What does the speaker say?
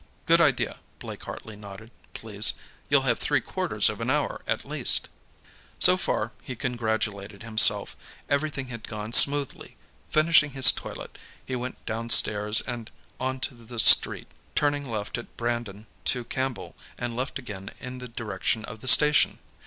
"Good idea." Blake Hartley nodded, pleased. "You'll have three quarters of an hour, at least." So far, he congratulated himself, everything had gone smoothly. Finishing his toilet, he went downstairs and onto the street, turning left at Brandon to Campbell, and left again in the direction of the station.